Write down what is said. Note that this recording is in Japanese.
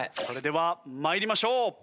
それでは参りましょう。